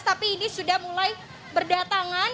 tapi ini sudah mulai berdatangan